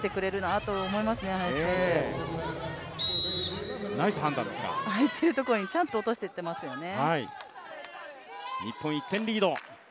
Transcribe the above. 空いているところにちゃんと落としていっていますよね。